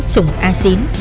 sùng a xín